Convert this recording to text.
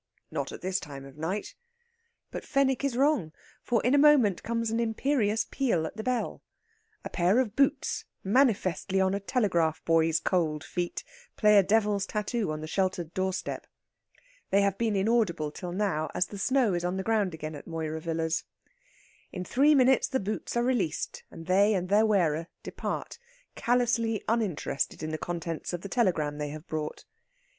"Not at this time of night." But Fenwick is wrong, for in a moment comes an imperious peal at the bell. A pair of boots, manifestly on a telegraph boy's cold feet, play a devil's tattoo on the sheltered doorstep. They have been inaudible till now, as the snow is on the ground again at Moira Villas. In three minutes the boots are released, and they and their wearer depart, callously uninterested in the contents of the telegram they have brought.